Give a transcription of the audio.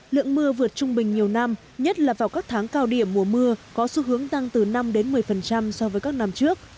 lượng mưa vượt trung bình nhiều năm nhất là vào các tháng cao điểm mùa mưa có xu hướng tăng từ năm một mươi so với các năm trước